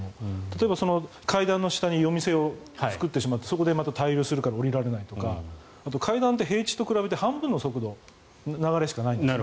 例えば、階段の下に夜店を作ってしまってそこでまた滞留するから下りられないとか階段って平地に比べて半分の速度、流れしかないんです。